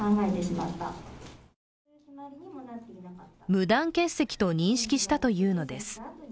無断欠席と認識したというのです。